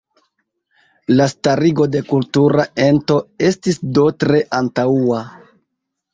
La starigo de kultura ento estis do tre antaŭa.